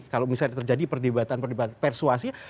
kalau misalnya terjadi perdebatan perdebatan persuasi